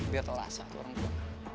biar tau rasa tuh orang tua